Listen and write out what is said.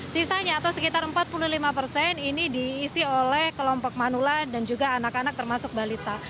sisanya atau sekitar empat puluh lima persen ini diisi oleh kelompok manula dan juga anak anak termasuk balita